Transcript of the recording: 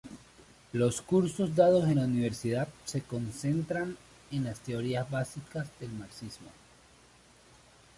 Los cursos dados en la universidad se concentraban en las teorías básicas del marxismo.